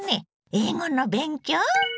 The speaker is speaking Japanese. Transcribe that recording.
英語の勉強？